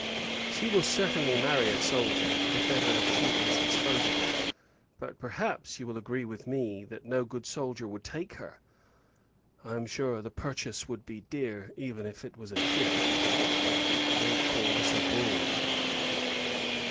She will certainly marry a soldier, if ever she is disposable. But, perhaps, you will agree with me, that no good soldier would take her. I am sure, the purchase would be dear, even if it was a gift. Don't call this a bull.